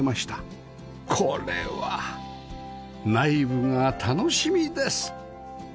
これは内部が楽しみです